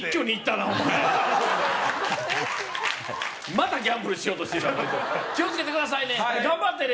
またギャンブルしようとしてるわこいつ気をつけてくださいね頑張ってね